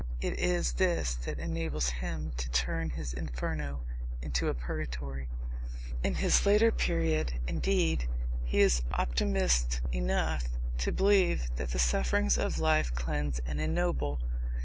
It is this that enables him to turn his inferno into a purgatory. In his later period, indeed, he is optimist enough to believe that the sufferings of life cleanse and ennoble.